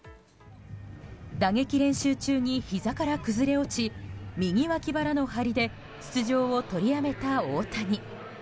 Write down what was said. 打撃練習中にひざから崩れ落ち右脇腹の張りで出場を取りやめた大谷。